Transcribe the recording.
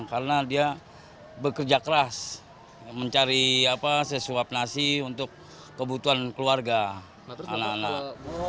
karena dia bekerja keras mencari sesuap nasi untuk kebutuhan keluarga anak anak